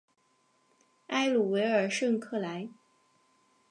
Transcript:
埃鲁维尔圣克莱。